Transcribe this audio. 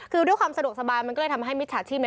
คือด้วยความสะดวกสบายมันก็เลยทำให้มิจฉาชีพ